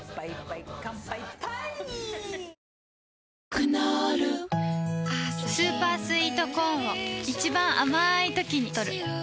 クノールスーパースイートコーンを一番あまいときにとる